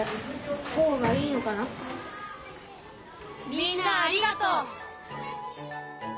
みんなありがとう！